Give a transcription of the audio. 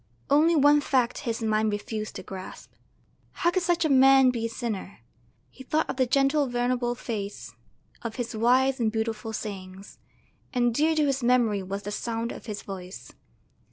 Only one fact his mind refused to grasp: how could such a man be a sinner? He thought of the gentle, venerable face, of his wise and beautiful sayings; and dear to his memory was the sound of his voice.